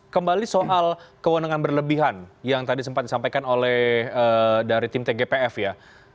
kembali soal kewenangan berlebihan yang tadi sempat disampaikan oleh dari tim tgpf ya